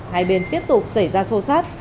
hai bên tiếp tục xảy ra xô xát